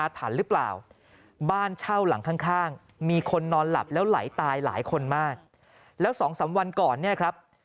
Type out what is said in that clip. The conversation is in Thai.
หายใจคนมากแล้วสองสามวันก่อนเนี่ยครับ